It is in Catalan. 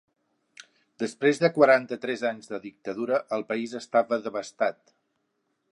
Després de quaranta-tres anys de dictadura, el país estava devastat.